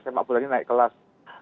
sepak bola ini naik kelas